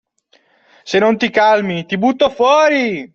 Se non ti calmi ti butto fuori!